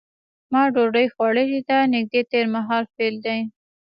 ما ډوډۍ خوړلې ده نږدې تېر مهال فعل دی.